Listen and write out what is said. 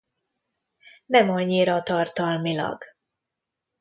Nem annyira tartalmilag.